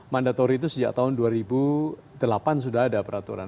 mandatori itu sejak tahun dua ribu delapan sudah ada peraturan